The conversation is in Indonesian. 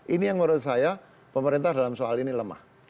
ini yang menurut saya pemerintah dalam soal ini lemah